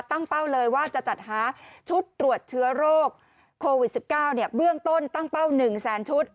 เป้าเลยว่าจะจัดหาชุดตรวจเชื้อโรคโควิด๑๙เบื้องต้นตั้งเป้า๑แสนชุด